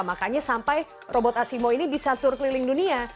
makanya sampai robot asimo ini bisa tur keliling dunia